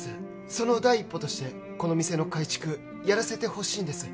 その第一歩としてこの店の改築やらせてほしいんです